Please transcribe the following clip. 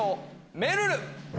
めるる。